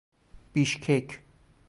بیشکک